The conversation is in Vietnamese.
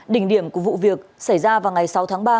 đỉnh điểm của vụ việc xảy ra vào ngày sáu tháng ba